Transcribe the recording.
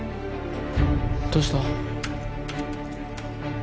どうした？